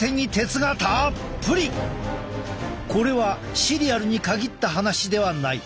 これはシリアルに限った話ではない。